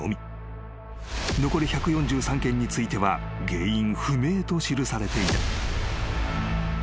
［残り１４３件については原因不明と記されていた］